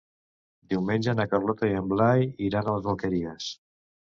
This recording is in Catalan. Diumenge na Carlota i en Blai iran a les Alqueries.